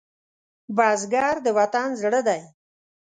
بزګر د وطن زړه دی